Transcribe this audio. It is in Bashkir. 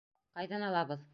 Ҡайҙан алабыҙ?